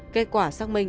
kết quả xác minh